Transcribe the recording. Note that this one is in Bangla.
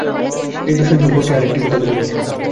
এই দর্শন সম্পর্কে আর একটি কথা বলিব।